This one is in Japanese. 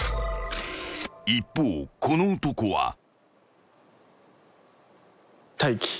［一方この男は］